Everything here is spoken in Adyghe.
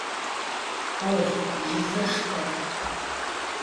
Vol, jıfır şşte!